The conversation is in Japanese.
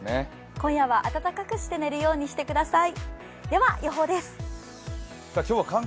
今夜は温かくして寝るようにしてください。